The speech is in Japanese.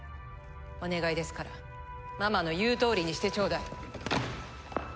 お願いですからママの言うとおりにしてちょうだい。